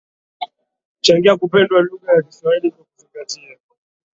changia kupendwa lugha ya Kiswahili Kwa kuzingatia